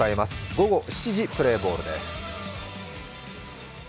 午後７時、プレーボールです。